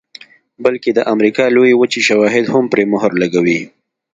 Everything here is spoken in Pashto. بلکې د امریکا لویې وچې شواهد هم پرې مهر لګوي